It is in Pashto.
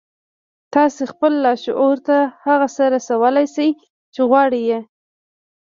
تاسې خپل لاشعور ته هغه څه رسولای شئ چې غواړئ